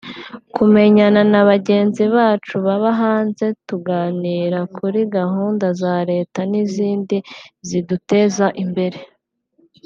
kumenyana na bagenzi bacu baba hanze tuganira kuri gahunda za Leta n’izindi ziduteza imbere